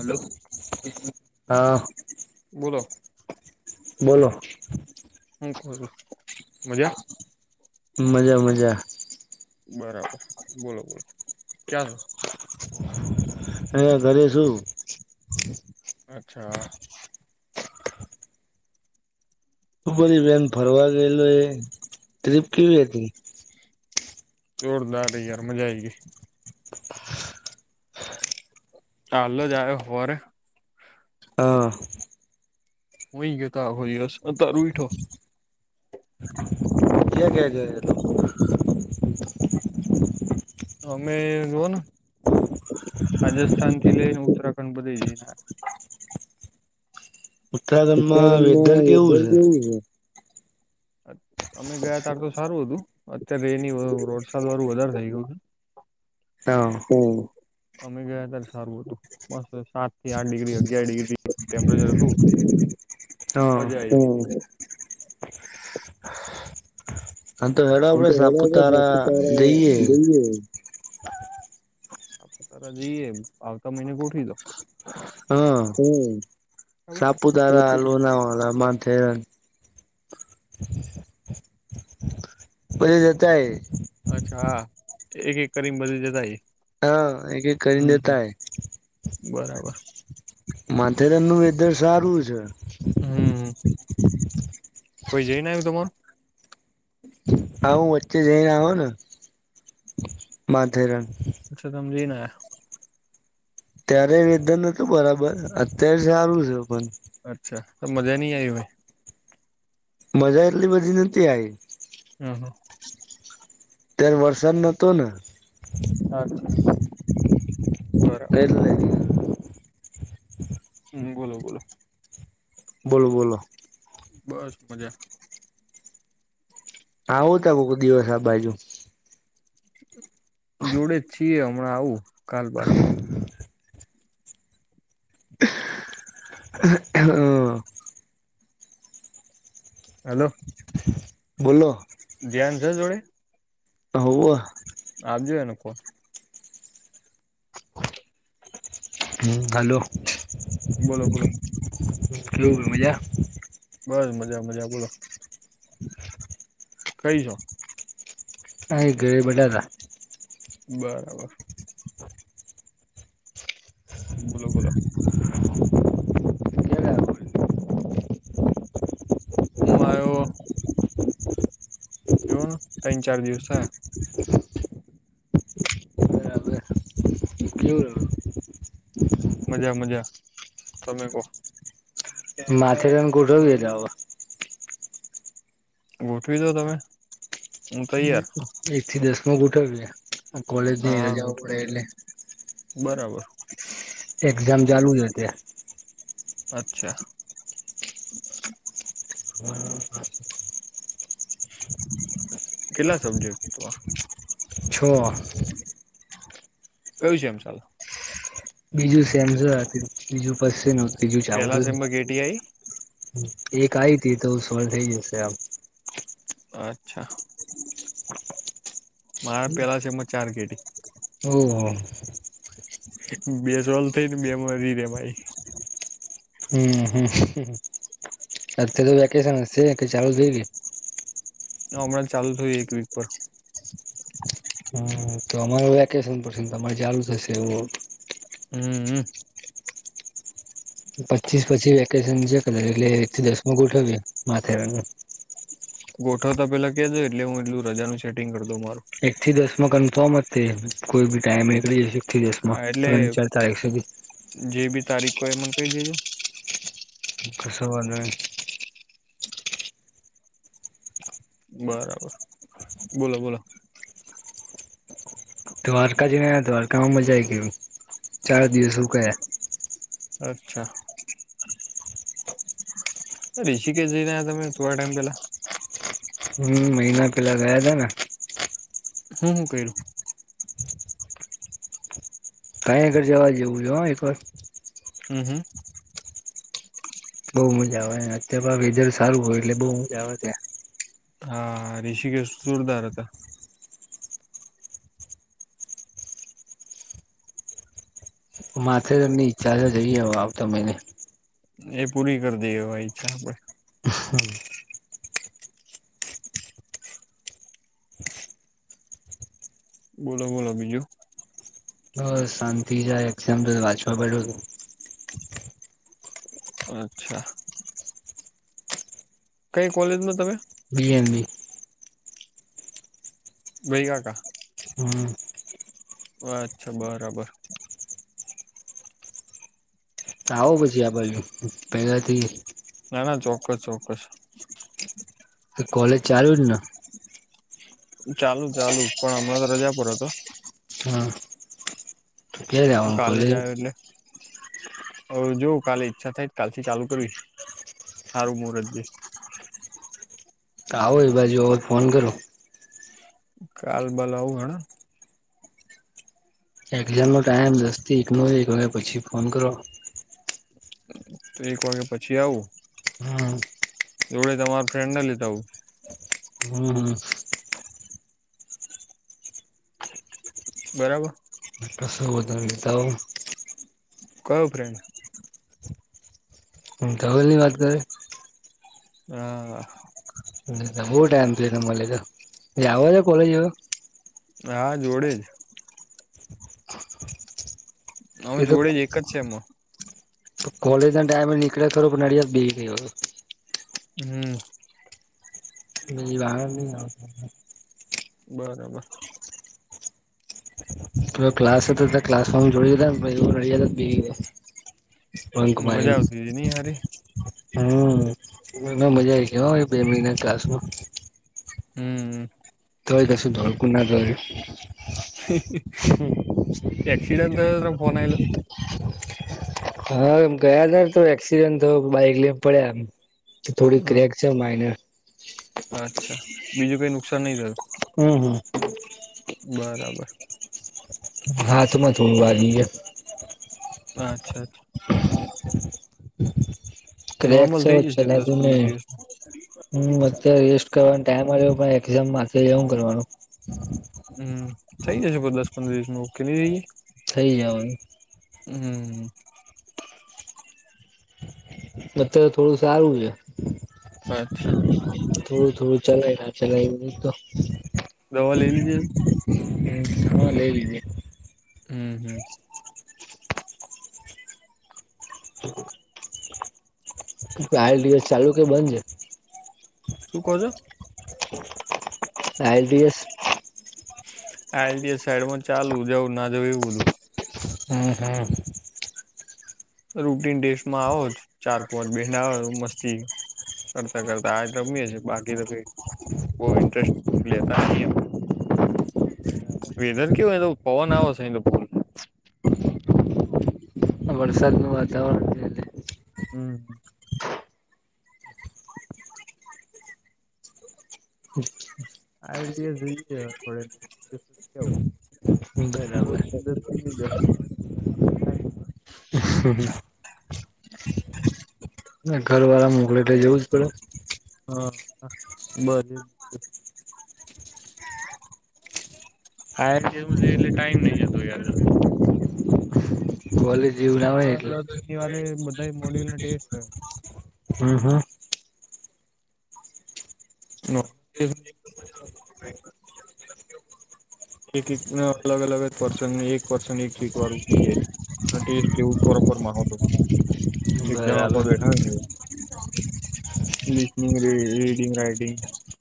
Hello હા બોલો. બોલો [unintelligible] મજા મજા મજા બરાબર બોલો બોલો ક્યાં છો અ ઘરે શું અચ્છા ભરી બેન ફરવા ગયેલો એ ટ્રીપ કેવી હતી. જોરદાર યાર મજા આવી ગયે [unintelligible] હા યુઈ ગ્યોતો યશ અ તારે ઉયઠો જ ક જ જ અમે જોઓ ને રાજસ્થાન થી લઈને ઉત્તરાખંડ બધી જઈને. ઉત્તરાખંડમાં વેધર કેવું છે [unintelligible] અમે ગયા તાર તો સારું હતું અત્યારે એની વરસાદ વાળું વધારે થઇ ગયું છે. અ હમ્મ અમે ગયા ત્યારે સારું હતું બસ સાત થી આઠ ડિગ્રી અગિયાર ડિગ્રી ટેમ્પરેચર હતું. હા મજા આઈ હા તો હેડો એમ આપડે તો [unintelligible] સાપુતારા જ્યાંથી જઈએ જોયે હા જઈએ આવતા મહિને ગોઠી દો હા હમ બરાબર સાપુતારા આલવું ના ઓલા માથેરન પછી જતાાય અચ્છા હા એક એક કરીને બધું જતાય હા એક એક કરીને હમ્મ જતાય બરાબર માથેરાન નું વેધર સારું છે. હમ્મ કોઈ જઈને આયુ તમારું હા હું વચ્ચે જઈને આયો ને માથેરાન અચ્છા તમ જાયને આયા ત્યારે વેદન નોતું બરાબર અત્યારે સારું છે પણ અચ્છા તો મજાની આય હો મજા એટલી બધી નથી આઈ અહ અત્યારે વરસાદ નતો ને હા ઠીક છે [unintelligible] હમ્મ બોલો બોલો બોલો બોલો બસ મજા આવો તો કોક દિવસ આ બાજુ જોડે જ છીએ હમણાં આવું કાલ બાાર હ હા હેલો બોલો ધ્યાન છે જોડે હોવ આપજો એને ફોન [inaudible] હલો બોલો બોલો. કેવું મજા બસ મજા મજા બોલો કઈ છો આઈ ઘેર બેઠા તા બરાબર. બોલો બોલો. હું આયો. તો ત્રન ચાર દિવસ થાય. [unintelligible] ખર [unintelligible] મજા મજા તમે કોહ. માથે રને ગોઠવી હવે. ગોઠવી દો તમે. હું તૈયાર એક થી દસમ ગોઠવ્ય એ. કોલેજ ની હા રજા પડે ગોઠવી દે એટલે. બરાબર એક્ઝામ ચાલુ છે તે અચ્છા. [unintelligible] કેટલા સબ્જેક્ટ તો છો. કયું છે એમ ચાલો બીજું સેમસ છે બીજું પશે ન ત્રીજું પેલા ચાવતું. સેમમાં કેટી આઈ એક આઈ તી તો સરળ થઇ જશે આમ. અચ્છા. મારા પેલા છેમાં ચાર કેેટી ઓ હ બે સોલ થઈ ને બે મ વધી રે ભાઈ હમ હ અ તો વેકેશન હશે કે ચાલુ થઈ ગયુ. હમણાં ચાલુ થયું એક વીક પર હમ તો અમારુ વેકેશન પર છે તમારે ચાલુ થશે એવું. હમ. પચીસ પછી વેકેશન છે ક એટલે એક થી દસમ ગોઠવી માથેરાું. ગોઠવતા પેલા કેજો એટલે હું એટલું રજાનું સેટિંગ કર દઉ મારુ. એક થી દસ માં કન્ફોર્મ તે કોઈ બી ટાઈમ નીકળી જશે એક થી દસ હા માં એટલે ત્રણ ચાર તારીખ સુધી. જે બી તારીખ હો એ મને ક દેજો. કશોવાધો નહી. બરાબર બોલો બોલો. દ્વારકા જ દ્વારકામાં મજા આવી ગું ચાર દિવસ શું ક્યા અચ્છા. બેસીી કે જઈ ના તમે થોડા ટાઈમ પેલા. હમ મહિના પેલા ગયા તા ને. હું હું કરયુ. કંઈ આગર જવા જેવું છે એક વાર હમ હમ. બઉુ મજા આવે અત્યાર વેધર સારું હોય એટલે બહુ મજા આવે ત્યાં. હા રિષિક એસુ ચૂરદાર હતા. માથે તમને ઈચ્છા છે જઈએ હ આવતા મહીને. એ પૂરી કરી દે હવા ઈચ્છા આપડે. હમ. બોલો બોલો બીજું. બસ શાંતિ જાય એક્ષાપલ વાંચવા બેઠો. અચ્છા. કઈ કોલેજમાં તમે. બી એલ બી. [unintelligible] હમ. અચ્છા બરાબર. આવો પછી આ બાજુ પેલાથી ના, ના, ચોક્કસ, ચોક્કસ. કોલેજ ચાલુ જ ને ચાલુ ચાલુ પણ હમણાં તો રજા પર હતો. હમ કયારે જવાનું કોલેજ. એટલે. હ જોવ કાલે ઈચ્છા થાય કાલ થી ચાલુ કરીશ. સારું મુંરત જોઈ. આવો એ બાજુ હવે ફોન કરો. કાલ બાલ આવું હેડો. એક્ઝામનો ટાઈમ દસ થી એકનો એક વાગ્યા પછી ફોન કરો. તો એક વાગ્યા પછી આવું. હમ. જોડે તમાર ફ્રેન્ડ ને લેતા આવું. હમ, હમ. બરાબર. કશું વાધો નહીં લેતા આવો. કયો ફ્રેન્ડ? હ ધવલ ની વાત કરે. હા. બહુ ટાઈમ થયો મલયો એ આવે છે કોલેજ હવે? હા જોડે જ. અમે એ તો જોડે એક જ છે સેમાં. કોલેજ ના ટાઈમે નીકળ્યા ખરો પણ નડિયાદ બી ગયો. હમ. [unintelligible] બરાબર. ક્લાસ હતો ક્લાસમાં જોડે હતા પછી એવો નડિયાદ. બેરે બક મારેલું. એની હારે? હમ એમાં મજા આવી ગઈ હો બે મહિના કાસમાં. હમ. તોય કશું [unintelligible] એક્સીડેન્ટન્ટ થયેલો ફોન આઈલો? હા એમ ગયા ત તો એક્સિડેન્ટ તો બાઈક લઈને પડ્યા એમ થોડી ક્રેક હ છે માઈનર. અચ્છા બીજું કઈ નુકસાન નહી થયું. હમ, હમ. બરાબર. હાથમાં થોડું વાગીએ. અચ્છા, અચ્છા. ક્રેક નોર્મલ છે થઈ જશે દસ ચલાતું પંદર નહીં. દિવસમાં હમ અત્યારે રેસ્ટ કરવાનો ટાઈમ આલયો પણ એક્ઝામ માથે છે હું કરવાનું. હમ થઇ જશે બસ દસ પંદર દિવસ ઓકે [unintelligible] થઈ જોવાનું. હમ. અત્યારે થોડું સારું છે અચ્છા થોડું, થોડું ચલાય ના ચલાય [unintelligible] દવા લઈ લીજે હમ્મ હા લઈ લઈએ હમ હમ આલ દિવસ ચાલુ કે બંધ છે? શું કો છો? આયલટીએસ આયલટીએસ સાઈડ માં ચાલુ જવું ના જવું એવું બધું હમ હમ રૂટીન ડેશમાં આવો ચાર પાંચ બેન્ડ આવ મસ્તી કરતા કરતા આ જ રમીએ છીએ બાકી તો કઈ બહ ઇન્ટરેસ્ટ લેતા નહી. વેધર કેવય તો પવન આવશે તો ભૂલ વરસાદનું વાતાવરણ છે ને હમ હ આયલટીએસ થોડે [unintelligible] એટલે બ બરાબર મદદ થઈ નઈ જો કાઈ [unintelligible] ઘર વાળા મોકલે એટલે જવું જ પડે હા બ આઇએલટીએસ એટલે ટાઈમ નહી જતો યાર જલ્દી કોલેજ એવું ના હોય પર એટલે દર શનિવારે બધા મોડ્યુલ ના ટેસ્ટ હોય હમ હમ [unintelligible] [unintelligible] એક એક અલગ અલગ જ પર્સન એક પર્સન એક વાળું જોઈએ ટેસ્ટ એવું [unintelligible] [inaudible] એક્ઝામ બરાબર આપવા બેઠા રીડિંગ રાઇટિંગ